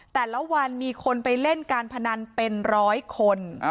แต่ละวันมีคนไปเล่นการพนันเป็นร้อยคน